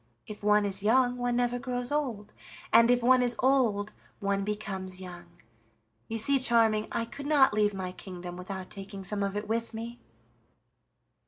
If one is young one never grows old, and if one is old one becomes young. You see, Charming, I could not leave my kingdom without taking some of it with me."